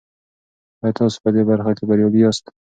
آیا تاسو په دې برخه کې بریالي یاست؟